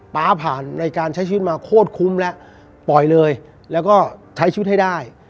ฟ้าผ่านในการใช้ชีวิตมาโคตรคุ้มแล้วปล่อยเลยแล้วก็ใช้ชีวิตให้ได้